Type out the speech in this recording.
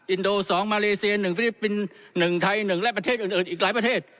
อินโด๒มาเลเซีย๑ฟิลิปปินส์๑ไทย๑และประเทศอื่นอีกหลายประเทศ